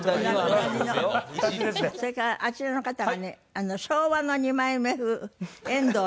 それからあちらの方がね昭和の二枚目。